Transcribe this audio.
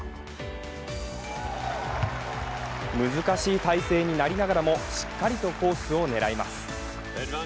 難しい体勢になりながらも、しっかりとコースを狙います。